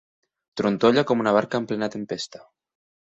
Trontolla com una barca en plena tempesta.